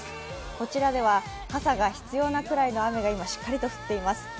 こちらでは傘が必要なくらいの雨が今しっかりと降っています。